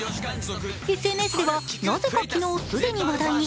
ＳＮＳではなぜか昨日、既に話題に。